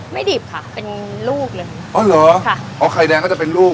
ดิบค่ะเป็นลูกเลยค่ะอ๋อเหรอค่ะอ๋อไข่แดงก็จะเป็นลูก